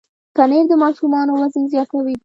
پنېر د ماشومانو وزن زیاتوي.